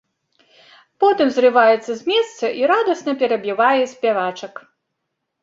Потым зрываецца з месца і радасна перабівае спявачак.